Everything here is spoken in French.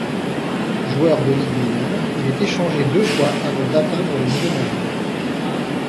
Joueur de ligues mineures, il est échangé deux fois avant d'atteindre le niveau majeur.